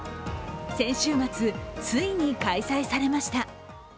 先週末、ついに開催されました。